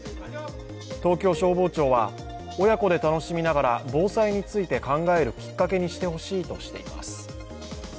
東京消防庁は、親子で楽しみながら防災について考えるきっかけにしてほしいとしています。